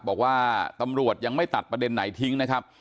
บอกว่าตำรวจยังไม่ตัดประเด็นไหนทิ้งนะครับ